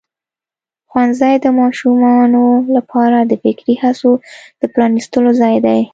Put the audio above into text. ښوونځی د ماشومانو لپاره د فکري هڅو د پرانستلو ځای دی.